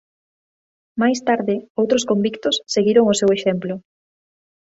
Máis tarde outros convictos seguiron o seu exemplo.